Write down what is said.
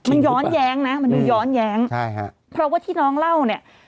มันย้อนแย้งนะมันดูย้อนแย้งใช่ฮะเพราะว่าที่น้องเล่าเนี่ย